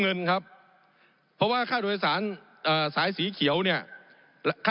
ผมอภิปรายเรื่องการขยายสมภาษณ์รถไฟฟ้าสายสีเขียวนะครับ